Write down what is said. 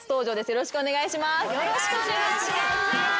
よろしくお願いします。